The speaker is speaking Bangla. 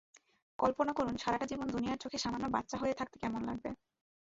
কল্পনা করুন সারাটা জীবন, দুনিয়ার চোখে সামান্য বাচ্চা হয়ে থাকতে কেমন লাগবে।